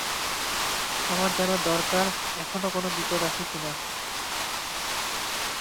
আমার জানা দরকার এখনো কোনো বিপদ আছে কিনা।